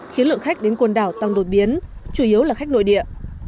khiến lượng khách đến con đảo tăng đột biến chủ yếu là khách nội địa